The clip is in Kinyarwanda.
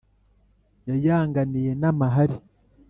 yayanganiye n’amahari